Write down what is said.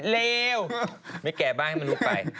เลวไม่แก่บ้านให้มนุษย์ไป